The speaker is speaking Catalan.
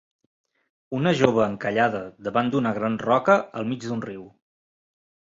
Una jove encallada davant d'una gran roca al mig d'un riu.